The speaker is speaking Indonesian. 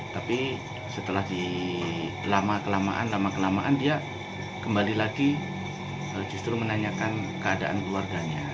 tapi setelah lama kelamaan lama kelamaan dia kembali lagi justru menanyakan keadaan keluarganya